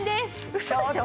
ウソでしょ！？